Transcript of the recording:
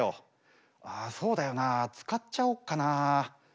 そうだよな使っちゃおっかな。